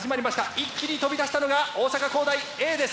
一気に飛び出したのが大阪公大Ａです。